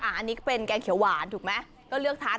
อันนี้ก็เป็นแกงเขียวหวานถูกไหมก็เลือกทาน